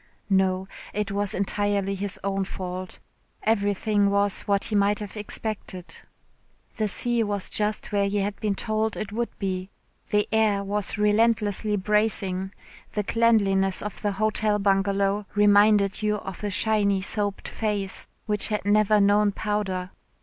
No, it was entirely his own fault. Everything was what he might have expected. The sea was just where he had been told it would be, the air was relentlessly bracing, the cleanliness of the Hotel Bungalow reminded you of a shiny soaped face which had never known powder.